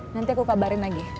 nanti aku kabarin lagi